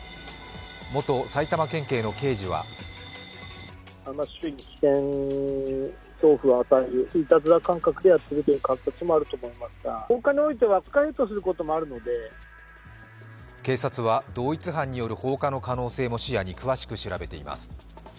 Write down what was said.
元埼玉県警の刑事は警察は同一犯による放火の可能性も視野に詳しく調べています。